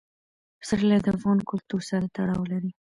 پسرلی د افغان کلتور سره تړاو لري.